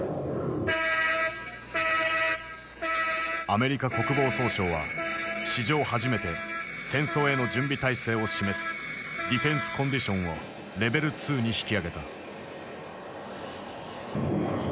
アメリカ国防総省は史上初めて戦争への準備体制を示す「ディフェンス・コンディション」をレベル２に引き上げた。